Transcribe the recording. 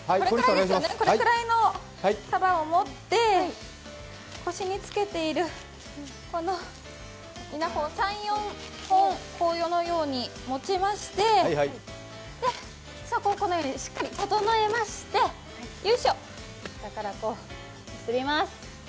これくらいの束を持って、腰につけいてるこの稲穂を３４本、このように持ちまして、このようにしっかり整えまして、よいしょ、下から結びます。